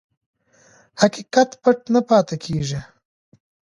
حقیقت پټ نه پاتې کېږي.